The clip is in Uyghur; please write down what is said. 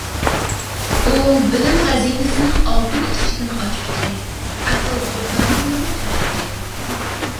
ئۇ، بىلىم خەزىنىسىنىڭ ئالتۇن ئىشىكىنى ئاچقۇچى، ئەقىل دۇردانىلىرىنى چاچقۇچى.